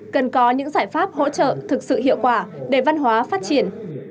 cần có những giải pháp hỗ trợ thực sự hiệu quả để văn hóa phát triển